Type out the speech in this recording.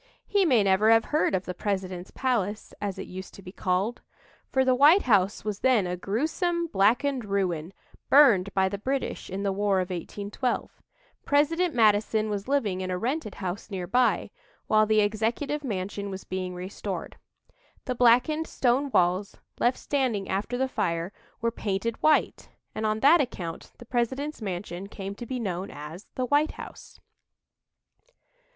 He may never have heard of "the President's Palace," as it used to be called for the White House was then a gruesome, blackened ruin, burned by the British in the War of 1812. President Madison was living in a rented house nearby, while the Executive Mansion was being restored. The blackened stone walls, left standing after the fire, were painted white, and on that account the President's mansion came to be known as "the White House."